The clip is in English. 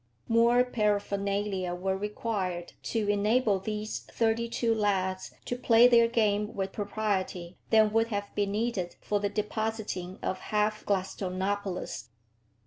More paraphernalia were required to enable these thirty two lads to play their game with propriety than would have been needed for the depositing of half Gladstonopolis.